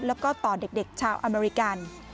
แล้วก็ต่อเด็กชาวอเมริกัน